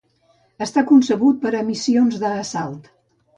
Està concebut per a missions d'assalt.